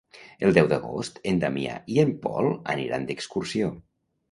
El deu d'agost en Damià i en Pol aniran d'excursió.